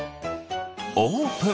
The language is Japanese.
オープン。